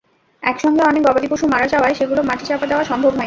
একসঙ্গে অনেক গবাদিপশু মারা যাওয়ায় সেগুলো মাটি চাপা দেওয়া সম্ভব হয়নি।